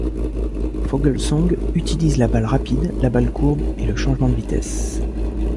Vogelsong utilise la balle rapide, la balle courbe et le changement de vitesse.